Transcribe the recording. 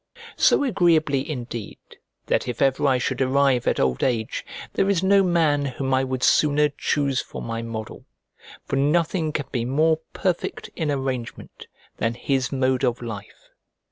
So agreeably, indeed, that if ever I should arrive at old age, there is no man whom I would sooner choose for my model, for nothing can be more perfect in arrangement than his mode of life.